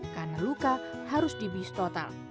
karena luka harus dibis total